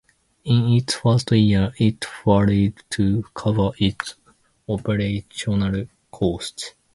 In its first year, it failed to cover its operational costs.